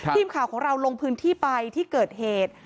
ทีมข่าวของเราลงพื้นที่ไปที่เกิดเหตุ